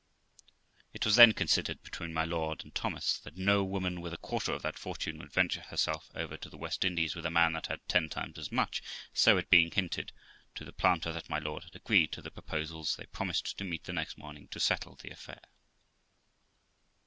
It was then considered between my lord and Thomas, that no woman with a quarter of that fortune would venture herself over to the West Indies with a man that had ten times as much ; so it being hinted to the planter that my lord had agreed to the proposals, they promised to meet the next morning to settle the affair.